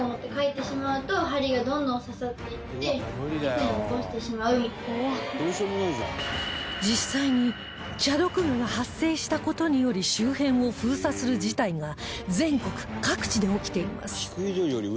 チャドクガの実際にチャドクガが発生した事により周辺を封鎖する事態が全国各地で起きています